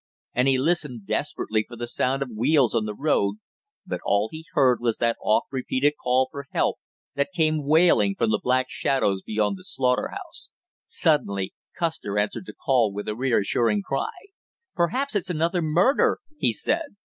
And he listened desperately for the sound of wheels on the road, but all he heard was that oft repeated call for help that came wailing from the black shadows beyond the slaughter house. Suddenly Custer answered the call with a reassuring cry. "Perhaps it's another murder!" he said.